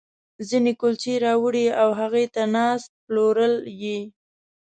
ځينې کُلچې راوړي او هغې ته ناست، پلورل یې.